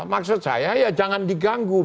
maksud saya jangan diganggu